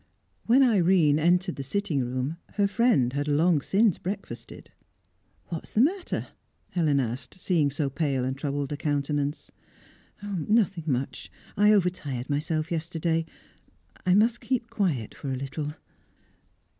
When Irene entered the sitting room, her friend had long since breakfasted. "What's the matter?" Helen asked, seeing so pale and troubled a countenance. "Nothing much; I overtired myself yesterday. I must keep quiet for a little."